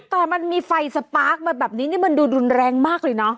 แต่มันมีไฟสปาร์คมาแบบนี้นี่มันดูรุนแรงมากเลยเนอะ